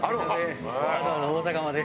わざわざ大阪まで。